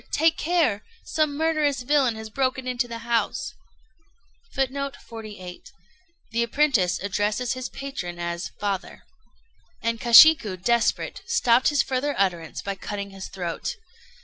take care! Some murderous villain has broken into the house." [Footnote 48: The apprentice addresses his patron as "father."] [Illustration: "GOKUMON."] And Kashiku, desperate, stopped his further utterance by cutting his throat.